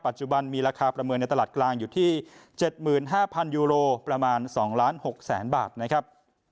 ปัจจุบันมีราคาประเมินในตลาดกลางอยู่ที่เจ็ดหมื่นห้าพันยูโรประมาณสองล้านหกแสนบาทนะครับ